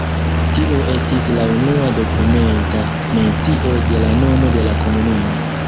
Tio estis la unua dokumenta mencio de la nomo de la komunumo.